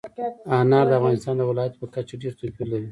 انار د افغانستان د ولایاتو په کچه ډېر توپیر لري.